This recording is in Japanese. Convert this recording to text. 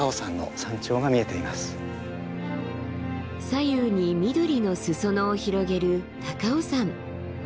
左右に緑の裾野を広げる高尾山。